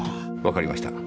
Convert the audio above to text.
わかりました。